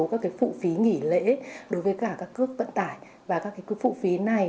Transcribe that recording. một số các phụ phí nghỉ lễ đối với cả các cước vận tải và các phụ phí này